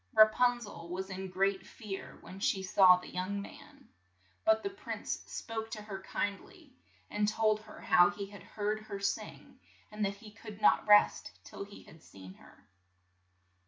Ra pun zel was in great fear when she saw the young man. But the prince spoke to her kind ly, and told her how he had heard her sing, and that he could not rest till he had seen her.